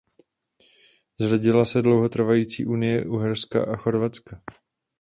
Zrodila se dlouhotrvající unie Uherska a Chorvatska.